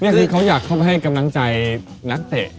นี่คือเขาอยากเข้ามาให้กำลังใจนักเตะ